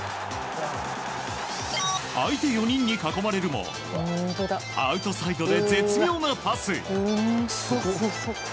相手４人に囲まれるもアウトサイドで絶妙なパス。